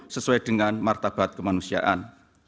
sesuai dengan martabat kemanusiaan